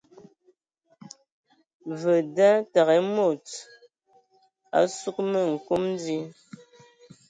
Və e dzam təgə ai e mod a sug ma nkom di.